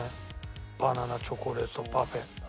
バナナチョコレートパフェ。